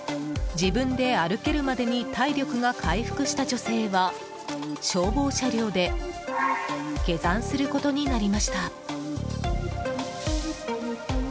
自分で歩けるまでに体力が回復した女性は消防車両で下山することになりました。